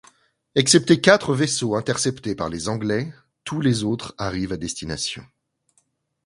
Excepté quatre vaisseaux interceptés par les Anglais, tous les autres arrivent à destination.